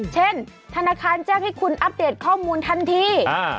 ธนาคารแจ้งให้คุณอัปเดตข้อมูลทันที